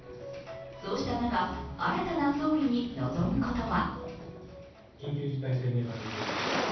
そうした中、新たな総理に望むことは。